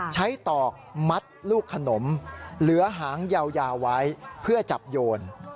ตอกมัดลูกขนมเหลือหางยาวไว้เพื่อจับโยน